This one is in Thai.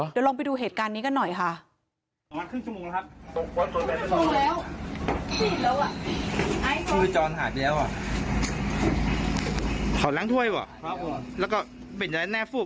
เดี๋ยวลองไปดูเหตุการณ์นี้กันหน่อยค่ะ